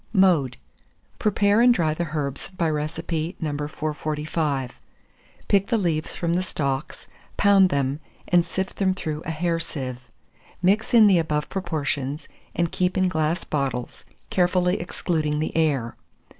Mode. Prepare and dry the herbs by recipe No. 445; pick the leaves from the stalks, pound them, and sift them through a hair sieve; mix in the above proportions, and keep in glass bottles, carefully excluding the air.